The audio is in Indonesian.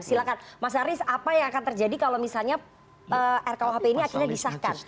silahkan mas haris apa yang akan terjadi kalau misalnya rkuhp ini akhirnya disahkan